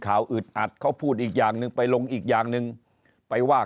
อึดอัดเขาพูดอีกอย่างหนึ่งไปลงอีกอย่างหนึ่งไปว่า